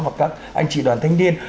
và các anh chị đoàn thanh niên